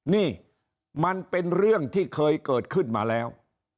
นี่มันเป็นเรื่องที่เคยเกิดขึ้นมาแล้ว